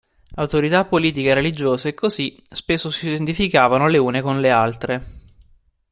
Autorità politiche e religiose, così, spesso si identificavano le une con le altre.